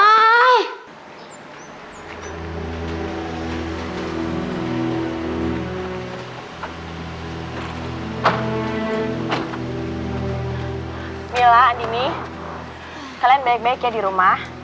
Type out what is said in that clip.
mila andini kalian baik baik ya di rumah